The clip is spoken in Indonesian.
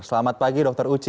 selamat pagi dr uci